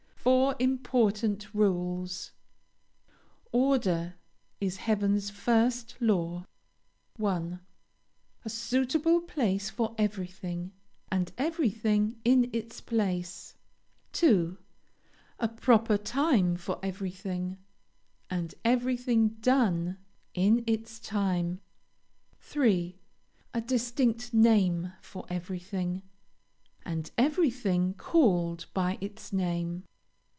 FOUR IMPORTANT RULES. "Order is heaven's first law." 1. A suitable place for everything, and everything in its place. 2. A proper time for everything, and everything done in its time. 3. A distinct name for everything, and everything called by its name.